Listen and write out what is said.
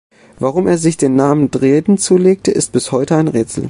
Warum er sich den Namen „Dryden“ zulegte, ist bis heute ein Rätsel.